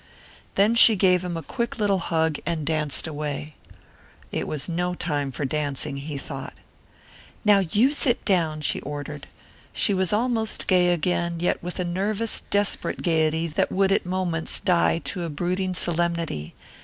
Then she gave him a quick little hug and danced away. It was no time for dancing, he thought. "Now you sit down," she ordered. She was almost gay again, yet with a nervous, desperate gaiety that would at moments die to a brooding solemnity.